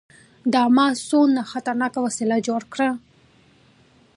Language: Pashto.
دا ما څونه خطرناکه وسله جوړه کړې.